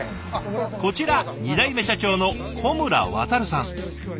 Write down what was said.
こちら２代目社長の小村亘さん。